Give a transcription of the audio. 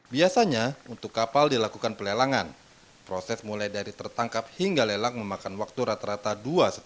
biasanya untuk kapal dilakukan pelelangan proses mulai dari tertangkap hingga lelang memakan waktu rata rata dua lima menit